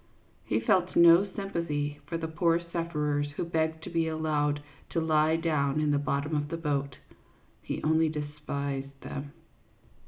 He felt no sympathy for the poor sufferers who begged to be allowed to lie down in the bottom of the boat ; he only despised them.